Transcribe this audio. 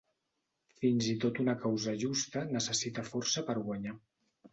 Fins i tot una causa justa necessita força per guanyar.